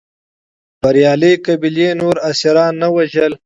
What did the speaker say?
بریالۍ قبیلې نور اسیران نه وژل.